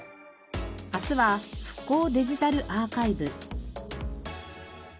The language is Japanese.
明日は復興デジタルアーカイブ。